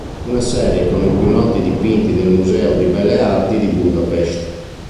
Una serie con i più noti dipinti del Museo di belle arti di Budapest.